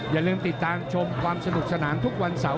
อย่าลืมติดตามชมความสนุกสนานทุกวันเสาร์